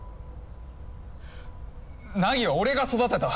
凪は俺が育てた。